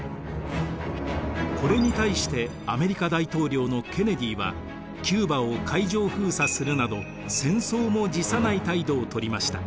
これに対してアメリカ大統領のケネディはキューバを海上封鎖するなど戦争も辞さない態度をとりました。